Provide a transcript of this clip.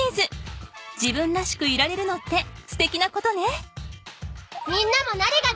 自分らしくいられるのってすてきなことね。